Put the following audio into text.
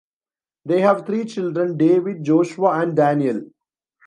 They have three children: David, Joshua, and Daniel.